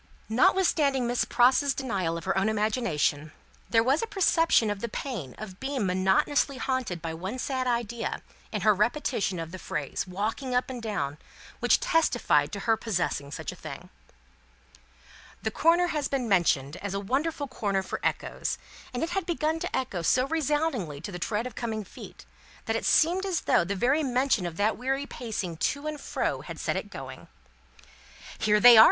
Notwithstanding Miss Pross's denial of her own imagination, there was a perception of the pain of being monotonously haunted by one sad idea, in her repetition of the phrase, walking up and down, which testified to her possessing such a thing. The corner has been mentioned as a wonderful corner for echoes; it had begun to echo so resoundingly to the tread of coming feet, that it seemed as though the very mention of that weary pacing to and fro had set it going. "Here they are!"